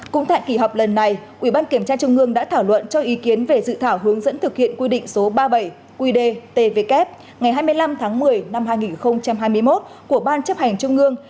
cũng tại kỷ họp lần này ubnd trung ương đã thảo luận cho ý kiến về dự thảo hướng dẫn thực hiện quy định số ba mươi bảy qd tvk ngày hai mươi năm tháng một mươi năm hai nghìn hai mươi một của ban chấp hành trung ương